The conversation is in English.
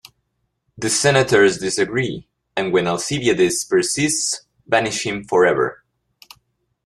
The senators disagree, and, when Alcibiades persists, banish him forever.